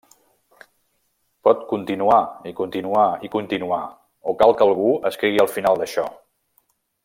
Pot continuar, i continuar i continuar, o cal que algú escrigui el final d'això.